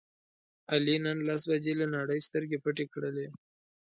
علي نن لس بجې له نړۍ سترګې پټې کړلې.